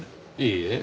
いいえ。